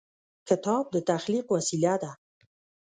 کتاب د تخلیق وسیله ده.